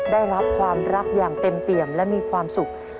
ได้รับความรักอย่างเต็มเปี่ยมและมีความสุข